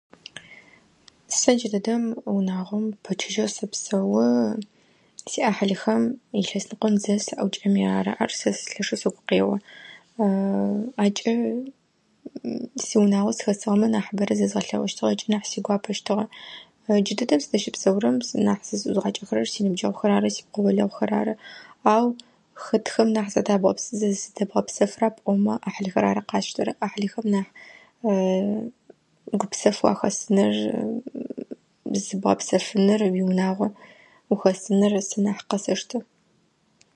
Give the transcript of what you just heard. Сэ джыдэдэм унагъом пэчыжьэу сэпсэу сиӏахьылхэм илъэсныкъом зэ саӏукӏэми ары, ар сэ слъэшэу сыгу къео акӏэ сиунагъо сыхэсыгъэмэ нахьыбэрэ зэзгъэлъэгъущтыкӏи сигуапэщтыгъэ. Джыдэдэм сыздэщыпсэурэм сэ нахь зызӏузгъакӏэхэрэр синыбджэгъухэр ары сипкъыгъо-лэгъухэр ары, ау хэтхэм нахь зыдабгъэ зэздэгъэпсэфыра хэта пӏомэ ӏахьылхэр ары къасштэрэр, ӏахьылхэм нахь гупсэф уахэсыныр, зыбгъэпсэфыныр, уиунагъо ухэсыныр сэ нахь къэсэштэ.